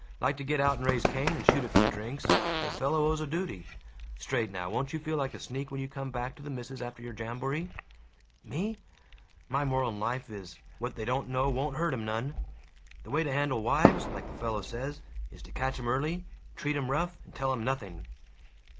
Like to get out and raise Cain and shoot a few drinks. But a fellow owes a duty Straight now, won't you feel like a sneak when you come back to the missus after your jamboree?" "Me? My moral in life is, 'What they don't know won't hurt 'em none.' The way to handle wives, like the fellow says, is to catch 'em early, treat 'em rough, and tell 'em nothing!"